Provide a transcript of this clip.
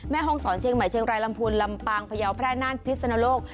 ห้องศรเชียงใหม่เชียงรายลำพูนลำปางพยาวแพร่นานพิศนโลก